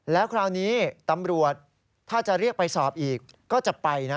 แล้วคราวนี้ตำรวจถ้าจะเรียกไปสอบอีกก็จะไปนะ